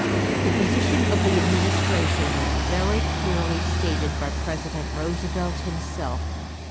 The position of the administration was very clearly stated by President Roosevelt himself.